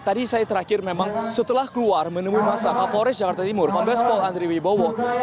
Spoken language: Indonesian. tadi saya terakhir memang setelah keluar menemui masa kapolres jakarta timur kombes pol andri wibowo